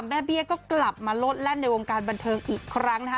เบี้ยก็กลับมาโลดแล่นในวงการบันเทิงอีกครั้งนะคะ